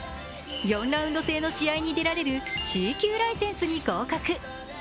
４ラウンド制の試合に出られるＣ級ライセンスに合格。